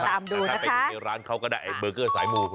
แต่ถ้าไปดูในร้านเขาก็ได้เบอร์เกอร์สายมู